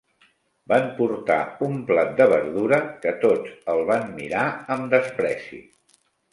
Van portar un plat de verdura que tots el van mirar amb despreci.